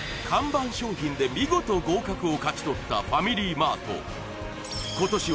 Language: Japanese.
看板商品で見事合格を勝ち取ったファミリーマート